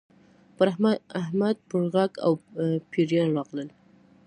پر احمد پرغز او پېریان راغلل.